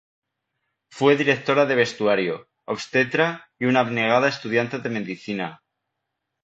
Fue directora de vestuario, obstetra y una abnegada estudiante de medicina.